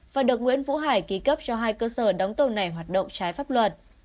và được nguyễn vũ hải ký cấp cho hai cơ sở đóng tàu này hoạt động trái pháp luật